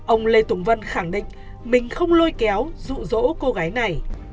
ông lê tùng vân khẳng định mình không lôi kéo dụ dỗ cô gái này